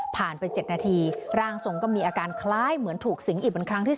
ไป๗นาทีร่างทรงก็มีอาการคล้ายเหมือนถูกสิงอีกเป็นครั้งที่๓